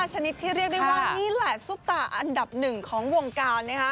ชนิดที่เรียกได้ว่านี่แหละซุปตาอันดับหนึ่งของวงการ